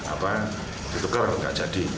apa itu kan nggak jadi